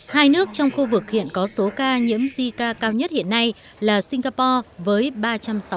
hai nước trong khu vực hiện có số ca nhiễm zika cao nhất hiện nay là singapore với ba trăm sáu mươi chín ca thái lan là ba trăm một mươi bốn ca